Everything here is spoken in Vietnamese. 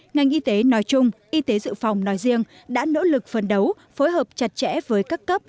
ngành y tế nói chung y tế dự phòng nói riêng đã nỗ lực phân đấu phối hợp chặt chẽ với các cấp